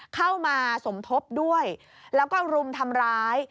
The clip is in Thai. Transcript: เข้ามาสมทบด้วยแล้วก็รุมทำร้าย